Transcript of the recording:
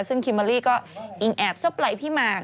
ซึ่งคิมเบอร์รี่ก็อิงแอบซบไหลพี่มาก